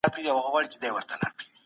ورځ او شپه يو ځای يوه ورځ جوړوي.